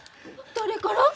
誰から？